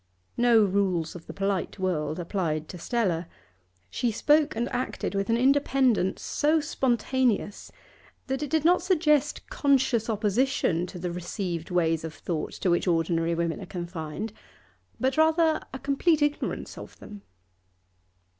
No rules of the polite world applied to Stella; she spoke and acted with an independence so spontaneous that it did not suggest conscious opposition to the received ways of thought to which ordinary women are confined, but rather a complete ignorance of them.